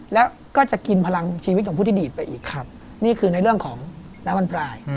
แล้วก็จะกินพลังชีวิตของผู้ที่ดีดไปอีกนี่คือในเรื่องของน้ำมันพลาย